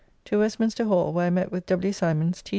To Westminster Hall, where I met with W. Symons, T.